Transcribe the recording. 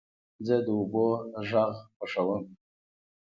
زه د اوبو غږ خوښوم.